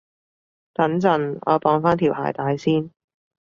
等陣，我綁返條鞋帶先